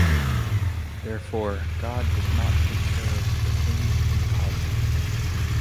Therefore, god does not take care of the things in the cosmos.